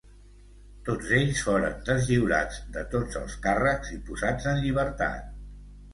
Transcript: Tots ells foren deslliurats de tots els càrrecs, i posats en llibertat.